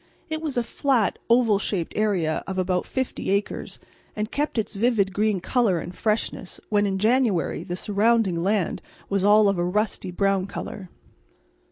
It was a flat, oval shaped area of about fifty acres, and kept its vivid green colour and freshness when in January the surrounding land was all of a rusty brown colour.